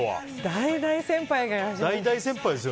大々先輩が。